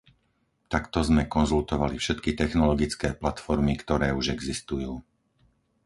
Takto sme konzultovali všetky technologické platformy, ktoré už existujú.